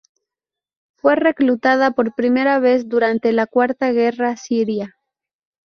Fue reclutada por primera vez durante la Cuarta Guerra Siria.